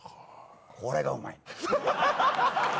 これがうまいの。